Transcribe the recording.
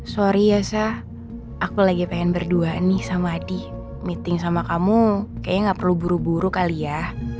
maaf yessa aku lagi pengen berdua nih sama adi meeting sama kamu kayaknya nggak perlu buru buru kali ya